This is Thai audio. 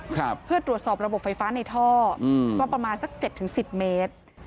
ครับเพื่อตรวจสอบระบบไฟฟ้าในท่ออืมก็ประมาณสักเจ็ดถึงสิบเมตร